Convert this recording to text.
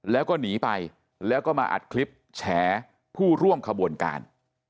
แล้วก็หนีไปแล้วก็มาอัดคลิปแฉผู้ร่วมขบวนการ